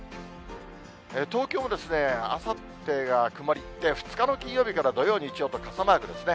東京もあさってが曇り、２日の金曜日から土曜、日曜と傘マークですね。